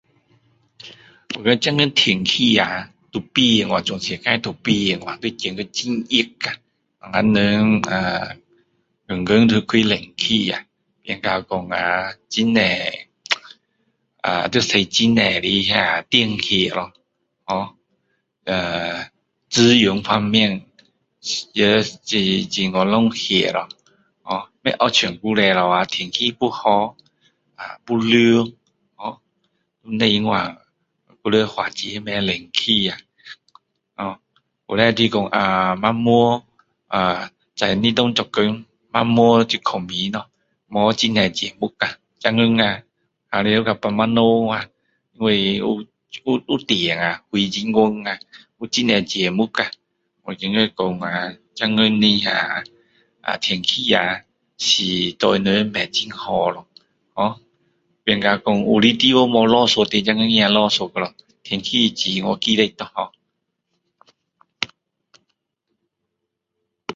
我觉得现今天气啊都变了全世界都变了会觉得很热啊我们人呃天天都要开冷气啊变成说啊很多啊要用很多的电费咯ho呃资源方面也很浪费咯ho不会像以前啊天气又好啊又凉啊不用那样花钱买冷气啊ho以前说晚上呃白天做工晚上就睡觉咯没很多节目啊现今啊玩到半夜长啊因为有电啊火很亮啊很多节目啊我觉得说啊现今的天气啊是对人很不好咯ho变成有些地方没有下雪的现今也下雪了ho天气实在很奇怪了ho